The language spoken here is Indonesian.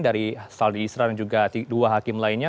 dari saldi isra dan juga dua hakim lainnya